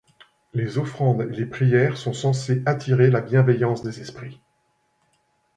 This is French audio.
Les offrandes et les prières sont censées attirer la bienveillance des esprits.